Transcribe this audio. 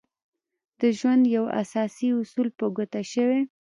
د ژوند يو اساسي اصول په ګوته شوی.